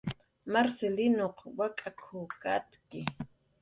Marcilinuq wak'ak katki